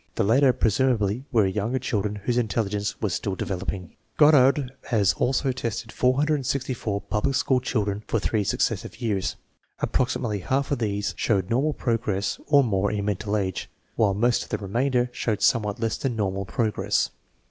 The latter, presumably, were younger children whose intelligence was still developing. Goddard has also tested 464 public school children for three successive years. Approximately half of these showed normal progress or more in mental age, while most of the remainder showed somewhat less than normal progress.